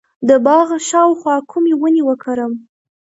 د باغ شاوخوا کومې ونې وکرم؟